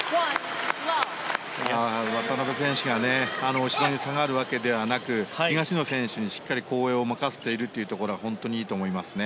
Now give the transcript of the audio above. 渡辺選手が後ろに下がるわけではなく東野選手にしっかり後衛を任せているところが本当にいいと思いますね。